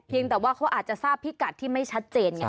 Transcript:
แต่ว่าเขาอาจจะทราบพิกัดที่ไม่ชัดเจนไง